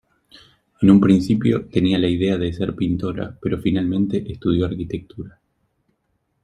En un principio tenía la idea de ser pintora, pero finalmente estudió arquitectura.